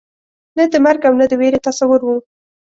نه د مرګ او نه د وېرې تصور وو.